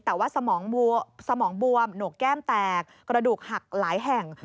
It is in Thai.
แต่ว่าสมองสมองบวมหนกแก้มแตกกระดูกหักหลายแห่ง